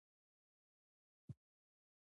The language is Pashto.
ایا دا دود له اسلامي ارزښتونو سره سم دی؟